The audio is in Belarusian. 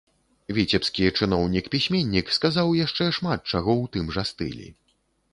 Віцебскі чыноўнік-пісьменнік сказаў яшчэ шмат чаго ў тым жа стылі.